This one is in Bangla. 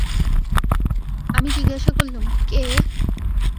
আমি জিজ্ঞাসা করলুম, কে?